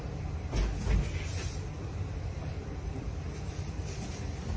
สวัสดีครับ